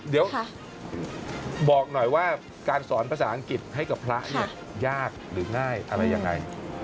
เดี๋ยวบอกหน่อยว่าการสอนภาษาอังกฤษให้กับพระเนี่ยยากหรือง่ายอะไรยังไง